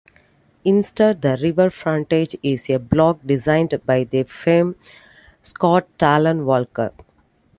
Instead the river frontage is a block designed by the firm Scott Tallon Walker.